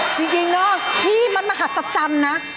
จริงนะพี่มันมหัศจรรย์นะ